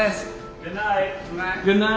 ・やばい！